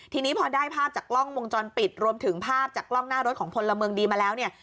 ทีนี้พอได้ภาพจากกล้องวงจรปิดรวมถึงภาพจากกล้องหน้ารถของพลเมืองดีมาแล้วเนี่ย